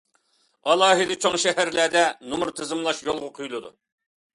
ئالاھىدە چوڭ شەھەرلەردە نومۇر تىزىملاش يولغا قويۇلىدۇ.